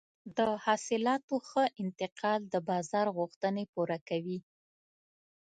د حاصلاتو ښه انتقال د بازار غوښتنې پوره کوي.